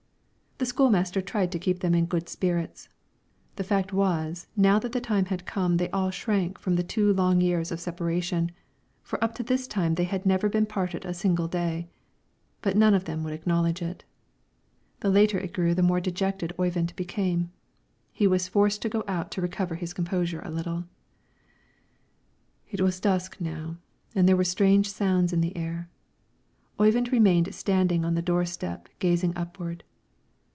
The school master tried to keep them in good spirits; the fact was now that the time had come they all shrank from the two long years of separation, for up to this time they had never been parted a single day; but none of them would acknowledge it. The later it grew the more dejected Oyvind became; he was forced to go out to recover his composure a little. It was dusk now and there were strange sounds in the air. Oyvind remained standing on the door step gazing upward.